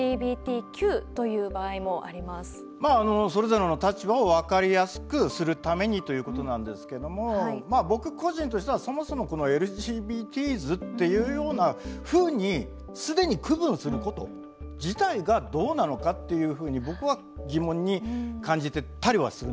まあそれぞれの立場を分かりやすくするためにということなんですけどもまあ僕個人としてはそもそもこのＬＧＢＴｓというようなふうに既に区分すること自体がどうなのかっていうふうに僕は疑問に感じてたりはするんですけどね。